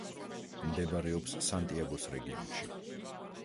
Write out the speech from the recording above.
მდებარეობს სანტიაგოს რეგიონში.